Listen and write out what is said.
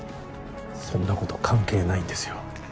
そんなこと関係ないんですよ